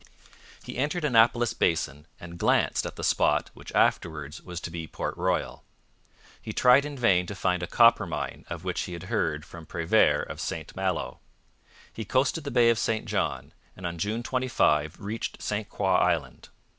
He entered Annapolis Basin and glanced at the spot which afterwards was to be Port Royal. He tried in vain to find a copper mine of which he had heard from Prevert of St Malo. He coasted the Bay of St John, and on June 25 reached St Croix Island.